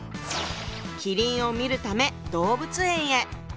麒麟を見るため動物園へ。